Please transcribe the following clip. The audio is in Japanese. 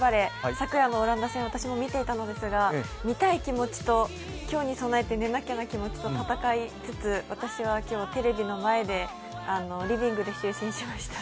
昨夜のオランダ戦私も見ていたのですが見たい気持ちと、今日に備えて寝なきゃの気持ちと戦いつつ私は今日、テレビの前でリビングで就寝しました。